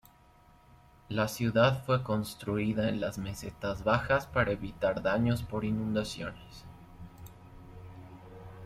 La ciudad fue construida en las mesetas bajas para evitar daños por inundaciones.